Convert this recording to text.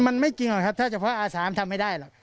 มันไม่จริงหรอกครับถ้าเฉพาะอาสามทำไม่ได้หรอก